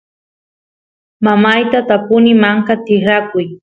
mamayta tapuni manka tikrakuy